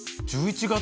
１１月？